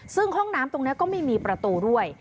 ซึ่งห้องน้ำตรงนี้ก็ไม่มีประตูด้วย